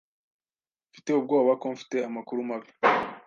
Mfite ubwoba ko mfite amakuru mabi.